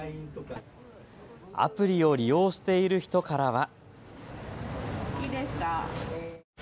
アプリを利用している人からは。